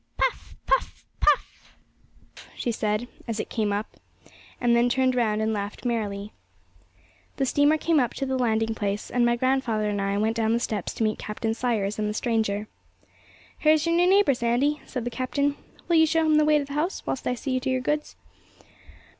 'Puff, puff, puff,' she said, as it came up, and then turned round and laughed merrily. The steamer came up to the landing place, and my grandfather and I went down the steps to meet Captain Sayers and the stranger. 'Here's your new neighbour, Sandy,' said the captain. 'Will you show him the way to his house, whilst I see to your goods?'